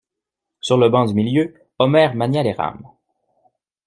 Sur le banc du milieu, Omer mania les rames.